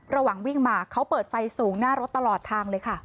ระหว่างวิ่งมาเขาเปิดไฟสูงหน้ารถตลอดทางเลยค่ะ